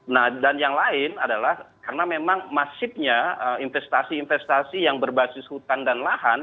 nah dan yang lain adalah karena memang masifnya investasi investasi yang berbasis hutan dan lahan